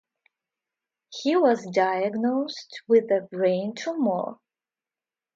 He was diagnosed with a brain tumour.